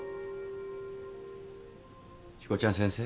しこちゃん先生。